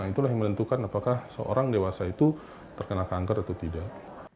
itulah yang menentukan apakah seorang dewasa itu terkena kanker atau tidak